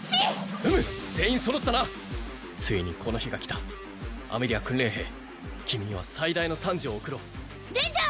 うむ全員揃ったなついにこの日が来たアメリア訓練兵君には最大の賛辞を送ろうレンジャー！